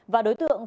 và đối tượng